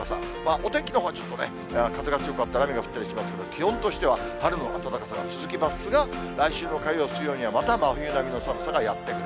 お天気のほうはちょっと風が強かったり、雨が降ったりしますが、気温としては、春の暖かさが続きますが、来週の火曜、水曜にはまた真冬並みの寒さがやって来る。